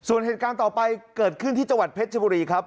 ส่วนเหตุการณ์ต่อไปเกิดขึ้นที่จังหวัดเพชรชบุรีครับ